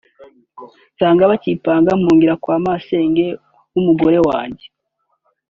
nsanga bakimpiga mpungira kwa nyirasenge w’umugabo wanjye